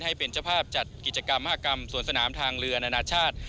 ให้เป็นเจ้าภาพจัดกิจกรรมมหากรรมสวนสนามทางเรือนานาชาติ